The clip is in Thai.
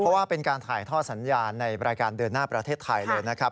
เพราะว่าเป็นการถ่ายท่อสัญญาณในรายการเดินหน้าประเทศไทยเลยนะครับ